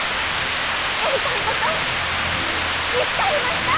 やりたいこと見つかりました！